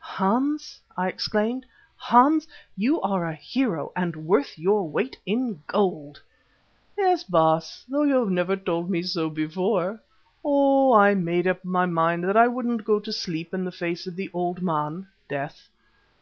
"Hans," I exclaimed, "Hans, you are a hero and worth your weight in gold!" "Yes, Baas, though you never told me so before. Oh! I made up my mind that I wouldn't go to sleep in the face of the Old Man (death).